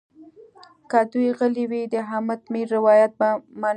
که دوی غلي وي د حامد میر روایت به منو.